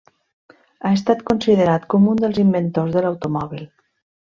Ha estat considerat com un dels inventors de l'automòbil.